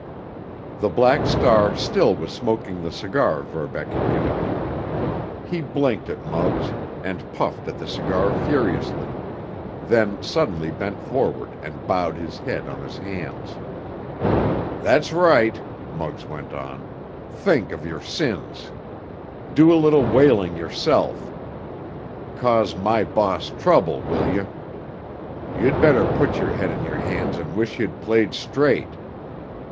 The Black Star still was smoking the cigar Verbeck had given him. He blinked at Muggs, and puffed at the cigar furiously, then suddenly bent forward and bowed his head on his hands. "That's right!" Muggs went on. "Think of your sins! Do a little wailing yourself! Cause my boss trouble, will you? You'd better put your head in your hands and wish you'd played straight!